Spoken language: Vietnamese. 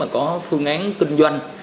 có phương án kinh doanh